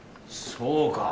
そうか。